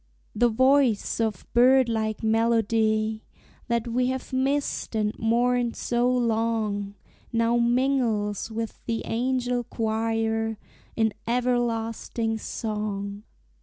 The voice of bird like melody That we have missed and mourned so long Now mingles with the angel choir In everlasting song.